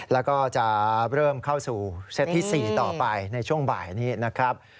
แล้วก็จะเริ่มเข้าสู่เซตที่๔ต่อไปในช่วงบ่ายนี้นะครับ